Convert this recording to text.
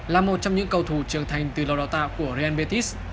là một trong những cầu thù trưởng thành từ lò đào tạo của real betis